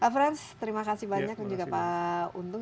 pak frans terima kasih banyak dan juga pak untung